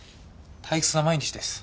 退屈な毎日です。